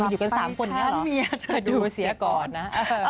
อยู่กันสามคนเนี้ยเหรอดูเสียก่อนนะ